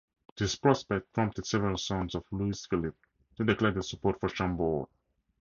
This prospect prompted several sons of Louis Philippe to declare their support for Chambord.